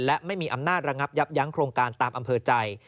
และไม่มีอำนาจระงับยับยั้งโครงการตามอำเภอใจ